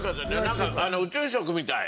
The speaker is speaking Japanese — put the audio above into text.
なんか宇宙食みたい。